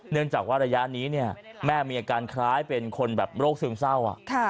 เนื่องจากว่าระยะนี้แม่มีอาการคล้ายเป็นคนแบบโรคซึมเศร้า